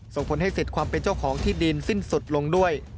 ส่งผลให้เสร็จความเป็นเจ้าของที่ดินสิ้นสุดลงด้วย